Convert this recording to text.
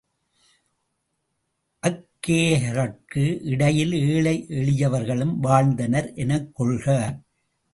அக்கேயர்கட்கு இடையில் ஏழை எளியவர்களும் வாழ்ந்தனர் எனக்கொள்க.